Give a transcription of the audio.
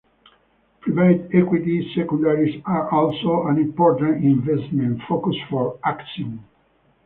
Private equity secondaries are also an important investment focus for Axiom.